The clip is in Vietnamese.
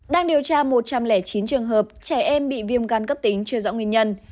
đang điều tra một trăm linh chín trường hợp trẻ em bị viêm gan cấp tính chưa rõ nguyên nhân